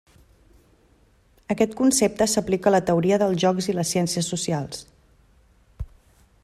Aquest concepte s'aplica a la teoria dels jocs i les ciències socials.